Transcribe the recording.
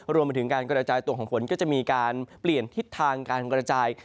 รวมไปถึงการกระจายตัวของฝนก็จะมีการเปลี่ยนทิศทางการกระจาย